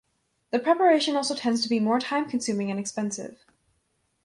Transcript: The preparation also tends to be more time consuming and expensive.